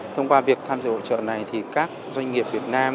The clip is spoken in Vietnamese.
thông qua việc tham dự hội trợ này thì các doanh nghiệp việt nam